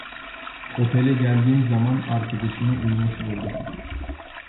Otele geldiğim zaman arkadaşımı uyumuş buldum.